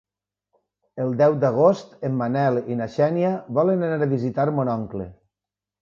El deu d'agost en Manel i na Xènia volen anar a visitar mon oncle.